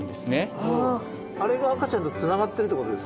あれが赤ちゃんとつながってるってことですか？